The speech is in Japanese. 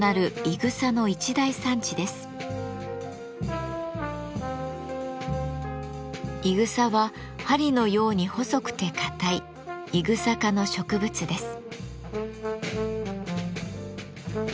いぐさは針のように細くて硬いイグサ科の植物です。